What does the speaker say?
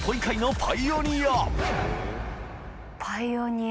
パイオニア。